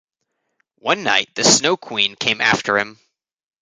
One night, the Snow Queen came after him.